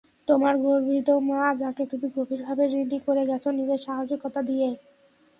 তোমার গর্বিত মা, যাকে তুমি গভীরভাবে ঋণী করে গেছ নিজের সাহসিকতা দিয়ে।